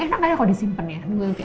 nanti aku disimpen ya